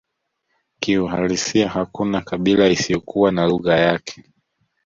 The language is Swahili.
Kiuhalisia hakuna kabila isiyokuwa na lugha yake